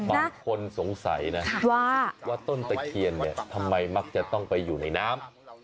บางคนสงสัยนะว่าต้นตะเคียนเนี่ยทำไมมักจะต้องไปอยู่ในน้ำ